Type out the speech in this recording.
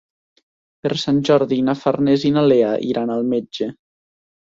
Per Sant Jordi na Farners i na Lea iran al metge.